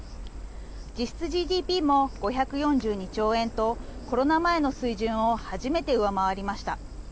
実質ＧＤＰも５４２兆円とコロナ前の水準を初めて上回りました。